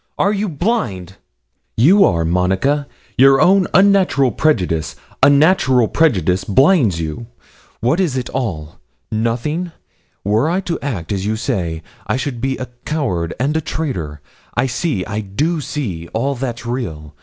are you blind?' 'You are, Monica; your own unnatural prejudice unnatural prejudice, blinds you. What is it all? nothing. Were I to act as you say, I should be a coward and a traitor. I see, I do see, all that's real.